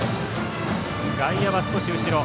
外野は少し後ろ。